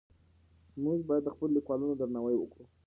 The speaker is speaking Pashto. موږ باید د خپلو لیکوالانو درناوی وکړو.